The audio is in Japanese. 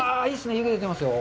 湯気が出てますよ。